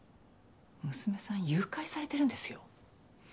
娘さん誘拐されてるんですよ。